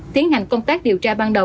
tiến hành công tác điều tra ban đầu